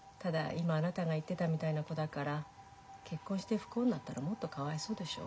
今あなたが言ってたみたいな子だから結婚して不幸になったらもっとかわいそうでしょう。